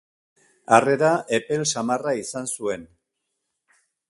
Harrera epel samarra izan zuen.